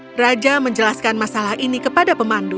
praja menjelaskan masalah ini kepada pemandu